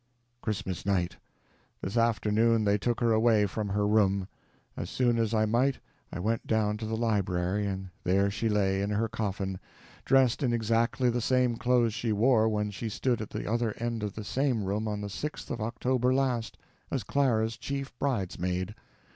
CHRISTMAS NIGHT.—This afternoon they took her away from her room. As soon as I might, I went down to the library, and there she lay, in her coffin, dressed in exactly the same clothes she wore when she stood at the other end of the same room on the 6th of October last, as Clara's chief bridesmaid.